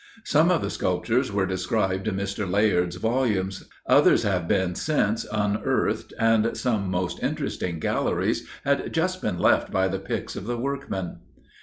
Some of the sculptures were described in Mr. Leyard's volumes; others have been since unearthed, and some most interesting galleries had just been left by the picks of the workmen.